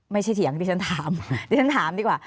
เถียงดิฉันถามดิฉันถามดีกว่า